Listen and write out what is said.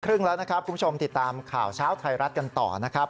ครึ่งแล้วนะครับคุณผู้ชมติดตามข่าวเช้าไทยรัฐกันต่อนะครับ